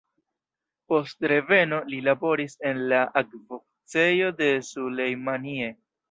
Post reveno, li laboris en la akv-oficejo de Sulejmanie.